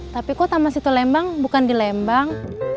tapi kok taman situ lembang bukan di lembang